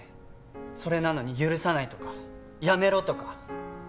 それなのに許さないとかやめろとか。